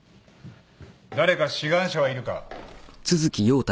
誰か志願者はいるか？